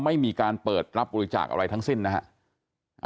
ไม่มีการเปิดรับบริจาคอะไรทั้งสิ้นนะฮะ